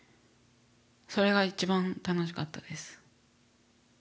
それが一番楽しかったです。